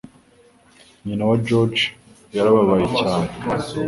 Nyina wa George yarababaye cyane.